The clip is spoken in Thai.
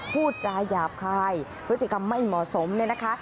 พูดจาหยาบคายพฤติกรรมไม่เหมาะสมเนี่ยนะคะ